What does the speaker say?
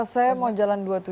saya mau jalan dua puluh tujuh